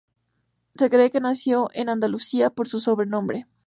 Se cree que nació en Andalucía por su sobrenombre.